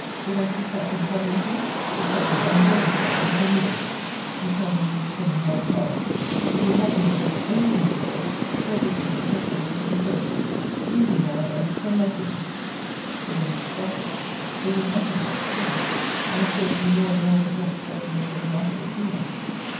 If I see Captain Tomlinson, it shall be on his own account, not on your's. You tell me you will send me my apparel if you would have me believe any thing you say, let this be the test of your sincerity. Leave me now, and send my things. The women started. They did nothing but stare; and appeared to be more and more at a loss what to make of the matter between us.